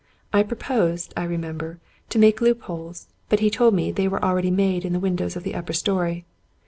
I proposed, I remember, to make loop holes; but he told me they were already made in the win dows of the upper story.